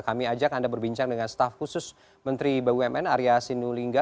kami ajak anda berbincang dengan staf khusus menteri bumn arya sinulinga